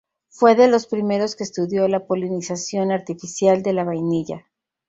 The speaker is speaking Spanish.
Fue de los primeros que estudió la polinización artificial de la vainilla.